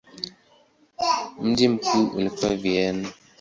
Mji mkuu ulikuwa Vienna.